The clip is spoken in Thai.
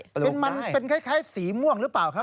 เป็นมันเป็นคล้ายสีม่วงหรือเปล่าครับ